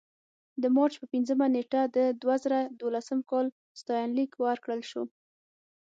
د مارچ په پنځمه نېټه د دوه زره دولسم کال ستاینلیک ورکړل شو.